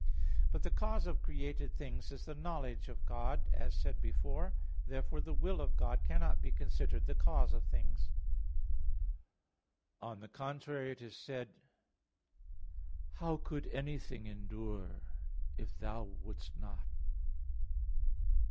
But the [cause of] created things is the knowledge of God, as said before (Q. 14, A. 8). Therefore the will of God cannot be considered the cause of things. On the contrary, It is said (Wis. 11:26), "How could anything endure, if Thou wouldst not?"